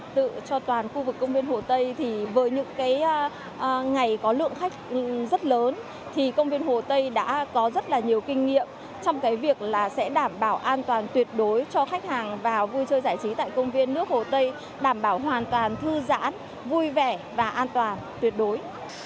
tự cho toàn khu vực công viên hồ tây thì với những cái ngày có lượng khách rất lớn thì công viên hồ tây đã có rất là nhiều kinh nghiệm trong cái việc là sẽ đảm bảo an toàn tuyệt đối cho khách hàng vào vui chơi giải trí tại công viên nước hồ tây đảm bảo hoàn toàn thư giãn vui vẻ và an toàn tuyệt đối